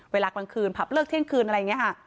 เวลากลางคืนผับเลิกเที่ยงคืนอะไรอย่างนี้ค่ะ